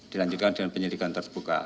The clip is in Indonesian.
dilanjutkan dengan penyelidikan terbuka